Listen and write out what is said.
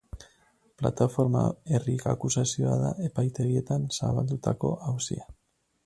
Plataforma herri akusazioa da epaitegietan zabaldutako auzian.